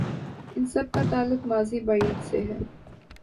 ان سب کا تعلق ماضی بعید سے ہے۔